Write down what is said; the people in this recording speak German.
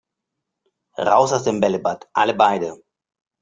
Raus aus dem Bällebad, alle beide!